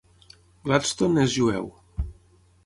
Gladstone és jueu.